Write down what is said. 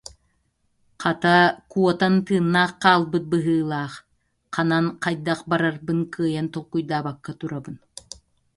Хата, куотан тыыннаах хаалбыт быһыылаах, ханан, хайдах барарбын кыайан толкуйдаабакка турабын